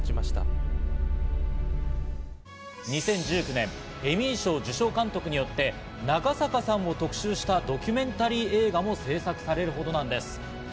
２０１９年、エミー賞受賞監督によって長坂さんを特集したドキュメンタリー映画も作成されるほどなんです。